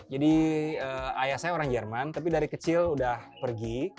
jadi ayah saya orang jerman tapi dari kecil udah pergi